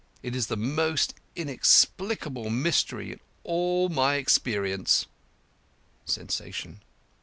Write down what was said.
It is the most inexplicable mystery in all my experience." (Sensation.)